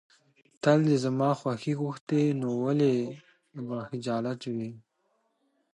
تل د زما خوښي غوښتې، نو ولې به خجالت وې.